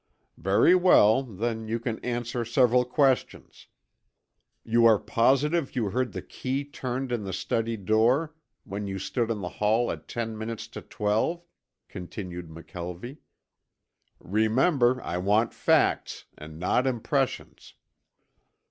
"Very well, then you can answer several questions. You are positive you heard the key turned in the study door when you stood in the hall at ten minutes to twelve?" continued McKelvie. "Remember I want facts, and not impressions."